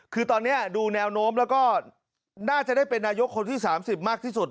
คือตอนนี้ดูแนวโน้มแล้วก็น่าจะได้เป็นนายกคนที่๓๐มากที่สุด